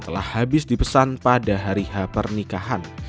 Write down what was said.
telah habis dipesan pada hari h pernikahan